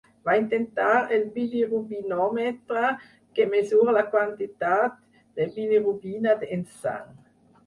Va inventar el bilirubinòmetre, que mesura la quantitat de bilirubina en sang.